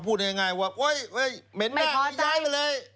พูดง่ายว่าเฮ้ยเหม็นหน้าตัวมาย้ายไปเลย